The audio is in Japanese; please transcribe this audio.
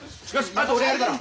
あと俺やるから。